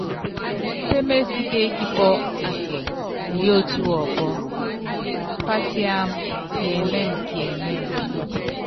Pémésíkékí pɔ́ akɛ kuyótí wɔpɔ́, pásiáma kiɛmɛ́mɛkiɛmɛ́mɛ.